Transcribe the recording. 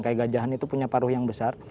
kayak gajahan itu punya paruh yang besar